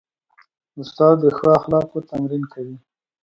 استاد د ښو اخلاقو تمرین کوي.